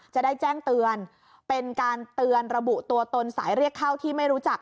จะได้แจ้งเตือนเป็นการเตือนระบุตัวตนสายเรียกเข้าที่ไม่รู้จัก